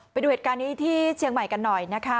ไปดูเหตุการณ์นี้ที่เชียงใหม่กันหน่อยนะคะ